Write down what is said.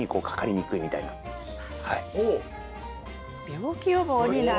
病気予防になる。